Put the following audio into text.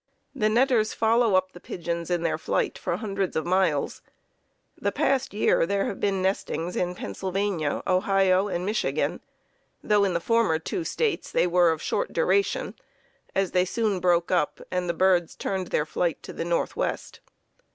The netters follow up the pigeons in their flight for hundreds of miles. The past year there have been nestings in Pennsylvania, Ohio and Michigan, though in the former two States they were of short duration, as they soon broke up and the birds turned their flight to the northwest.